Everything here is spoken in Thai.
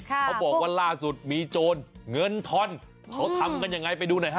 เขาบอกว่าล่าสุดมีโจรเงินทอนเขาทำกันยังไงไปดูหน่อยฮะ